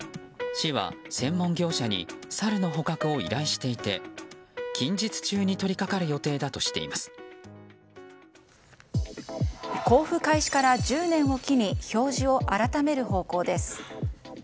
市は、専門業者にサルの捕獲を依頼していて近日中に交付開始から１０年を機に表示を改める方向です。